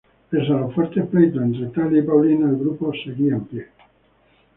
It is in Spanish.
Pese a los fuertes pleitos entre Thalía y Paulina, el grupo seguía en pie.